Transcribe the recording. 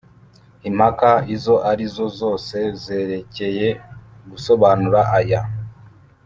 Impaka izo ari zo zose zerekeye gusobanura aya